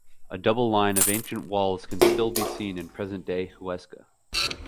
A double line of ancient walls can still be seen in present-day Huesca.